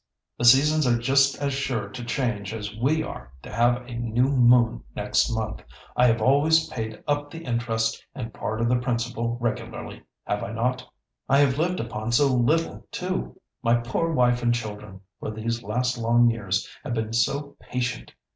The seasons are just as sure to change as we are to have a new moon next month. I have always paid up the interest and part of the principal regularly, have I not? I have lived upon so little too! My poor wife and children for these last long years have been so patient!